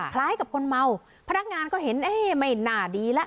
คล้ายกับคนเมาพนักงานก็เห็นเอ๊ะไม่น่าดีแล้ว